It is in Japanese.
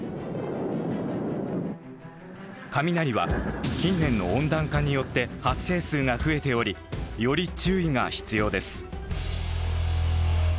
雷は近年の温暖化によって発生数が増えておりより注意が必要です。